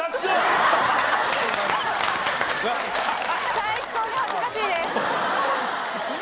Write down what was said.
最高に恥ずかしいです！